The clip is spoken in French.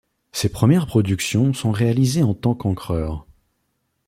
Ses premières productions sont réalisées en tant qu'encreur.